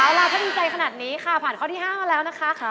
เอาล่ะถ้าดีใจขนาดนี้ค่ะผ่านข้อที่๕มาแล้วนะคะ